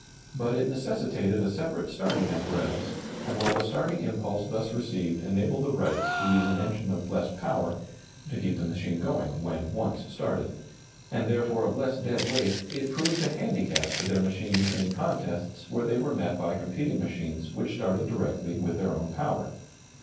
But it necessitated a separate starting apparatus, and while the starting impulse thus received enabled the Wrights to use an engine of less power (to keep the machine going when once started), and therefore of less dead weight, it proved a handicap to their machines in contests where they were met by competing machines which started directly with their own power.